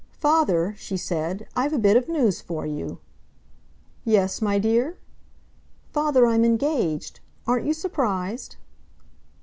"Father," she said, "I've a bit of news for you!" "Yes, my dear?" "Father, I'm engaged! Aren't you surprised?"